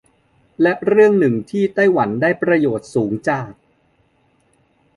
และเรื่องหนึ่งที่ไต้หวันได้ประโยชน์สูงจาก